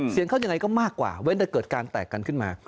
เสียงเขายังไงก็มากกว่าเว้นแต่เกิดการแตกกันขึ้นมา